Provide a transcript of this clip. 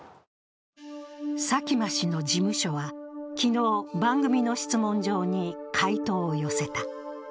佐喜真氏の事務所は昨日、番組の質問状に回答を寄せた。